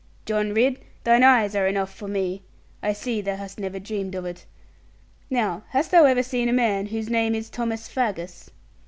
'John Ridd, thine eyes are enough for me. I see thou hast never dreamed of it. Now hast thou ever seen a man whose name is Thomas Faggus?'